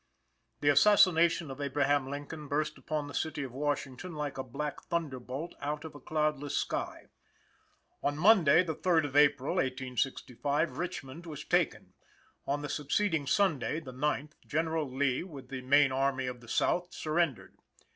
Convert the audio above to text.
The assassination of Abraham Lincoln burst upon the City of Washington like a black thunder bolt out of a cloudless sky. On Monday, the 3d of April, 1865, Richmond was taken. On the succeeding Sunday (the ninth), General Lee with the main Army of the South surrendered.